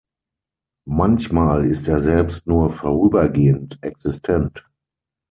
Manchmal ist er selbst nur vorübergehend existent.